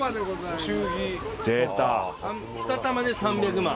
２玉で３００万？